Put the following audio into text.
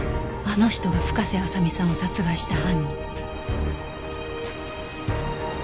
あの人が深瀬麻未さんを殺害した犯人